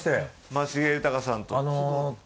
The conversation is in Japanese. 松重豊さんと。